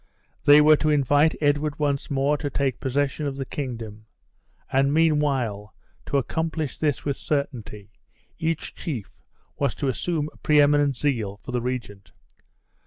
They were to invite Edward once more to take possession of the kingdom; and meanwhile, to accomplish this with certainty, each chief was to assume a pre eminent zeal for the regent.